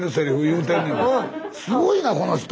すごいなこの人。